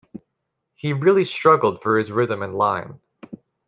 He really struggled for his rhythm and line.